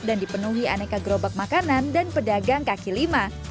dan dipenuhi aneka gerobak makanan dan pedagang kaki lima